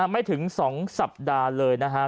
ไม่ถึง๒สัปดาห์เลยนะฮะ